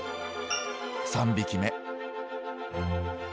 ３匹目。